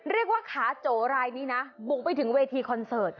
เรียกว่าขาโจรายนี้นะบุกไปถึงเวทีคอนเสิร์ต